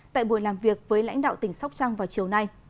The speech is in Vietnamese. tại buổi làm việc với lãnh đạo tỉnh sóc trăng vào chiều nay